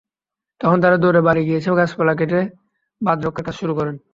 তখন তাঁরা দৌড়ে বাড়ি গিয়ে গাছপালা কেটে বাঁধ রক্ষার কাজ শুরু করেন।